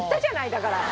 だから。